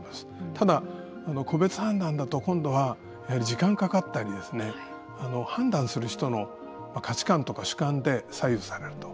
ただ、個別判断だと、今度は時間がかかったりですね判断する人の価値観とか主観で左右されると。